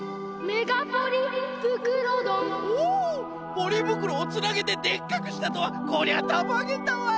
ポリぶくろをつなげてでっかくしたとはこりゃたまげたわい！